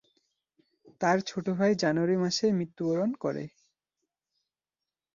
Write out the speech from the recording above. তার ছোট ভাই জানুয়ারি মাসে মৃত্যুবরণ করে।